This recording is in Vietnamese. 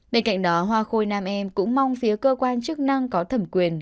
bên cạnh đó hoa khôi nam em cũng mong phía cơ quan chức năng có thẩm quyền